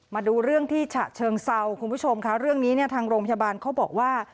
มาดูเรื่องที่ฉะเชิงเซาคุณผู้ชมค่ะเรื่องนี้เนี่ยทางโรงพยาบาลเขาบอกว่า